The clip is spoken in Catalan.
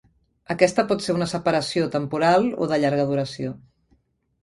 Aquesta pot ser una separació temporal o de llarga duració.